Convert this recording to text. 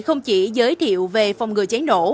không chỉ giới thiệu về phòng ngừa cháy nổ